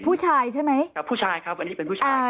ผู้ชายใช่ไหมครับผู้ชายครับอันนี้เป็นผู้ชาย